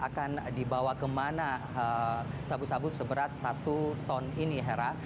akan dibawa kemana sabu sabu seberat satu ton ini hera